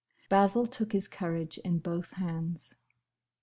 Basil took his courage in both hands.